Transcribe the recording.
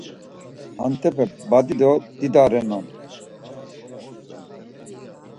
Hentepe badi do dida renan.